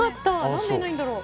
何でいないんだろう。